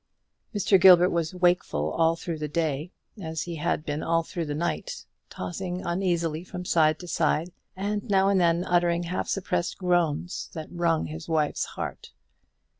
Mr. Gilbert was wakeful all through the day, as he had been all through the night, tossing uneasily from side to side, and now and then uttering half suppressed groans that wrung his wife's heart.